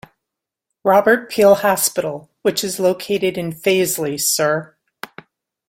Robert Peel Hospital which is located in Fazeley, Sir.